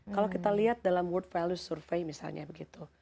kalau kita lihat dalam world value survey misalnya begitu